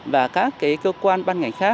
và các cơ quan ban ngành